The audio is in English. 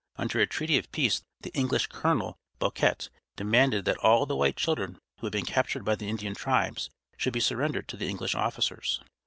Under a treaty of peace the English Colonel Boquet demanded that all the white children who had been captured by the Indian tribes should be surrendered to the English officers.